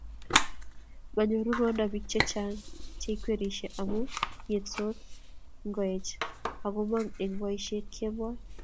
manyoruu ruondo biik chechang cheikwerishei amu ngetsoot ngoeche agomong eng boisiet kemboi